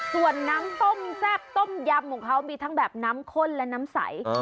ส่วนน้ำต้มแซ่บต้มยำของเขามีทั้งแบบน้ำข้นและน้ำใส